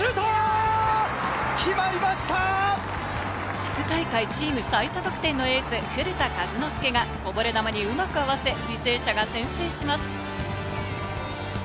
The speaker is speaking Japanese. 地区大会チーム最多得点のエース・古田和之介が、こぼれ球にうまく合わせ、履正社が先制します。